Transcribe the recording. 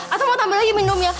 atau mau tambah lagi minumnya